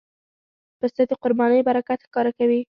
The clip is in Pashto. پسه د قربانۍ برکت ښکاره کوي.